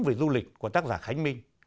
về du lịch của tác giả khánh minh